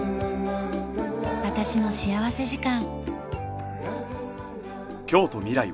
『私の幸福時間』。